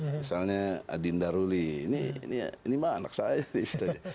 misalnya adinda ruli ini mah anak saya ini